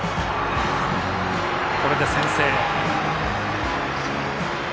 これで先制。